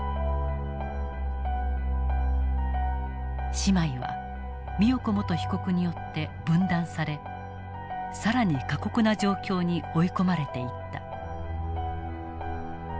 姉妹は美代子元被告によって分断され更に過酷な状況に追い込まれていった。